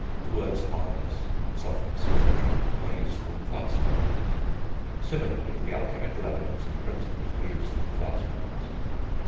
The words hardness, softness, &c., are useful class marks. Similarly the alchemical Elements and Principles were useful class marks.